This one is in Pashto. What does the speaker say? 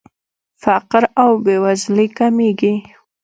فقر او بېوزلي کمیږي.